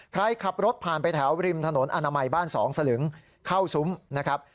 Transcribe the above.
ใครขับรถผ่านไปแถวริมถนนอนามัยบ้าน๒สลึงเข้าซุ้มนะครับ